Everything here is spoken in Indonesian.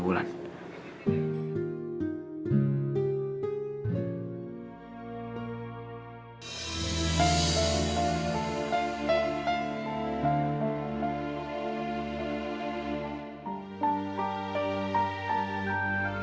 cuma yang takut